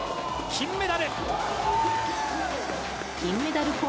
金メダル！